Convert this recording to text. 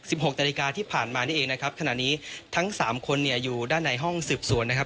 หกนาฬิกาที่ผ่านมานี่เองนะครับขณะนี้ทั้งสามคนเนี่ยอยู่ด้านในห้องสืบสวนนะครับ